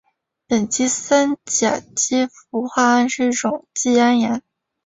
苯基三甲基氟化铵是一种季铵盐。